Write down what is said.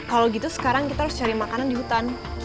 kalau gitu sekarang kita harus cari makanan di hutan